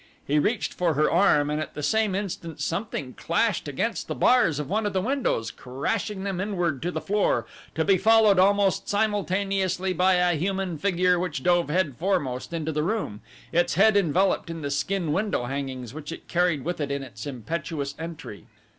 He reached for her arm and at the same instant something clashed against the bars of one of the windows, crashing them inward to the floor, to be followed almost simultaneously by a human figure which dove headforemost into the room, its head enveloped in the skin window hangings which it carried with it in its impetuous entry.